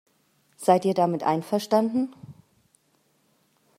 Seid ihr damit einverstanden?